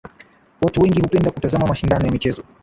Watu wengi hupenda kutazama mashindano ya michezo